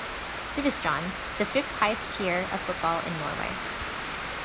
Divisjon, the fifth-highest tier of football in Norway.